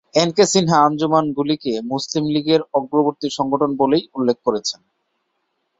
NK Sinha আঞ্জুমানগুলিকে মুসলিম লীগের অগ্রবর্তী সংগঠন বলেই উল্লেখ করেছেন।